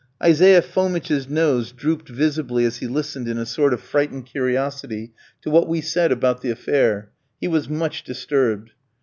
Isaiah Fomitch's nose drooped visibly as he listened in a sort of frightened curiosity to what we said about the affair; he was much disturbed.